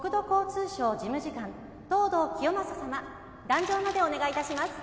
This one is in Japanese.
壇上までお願いいたします。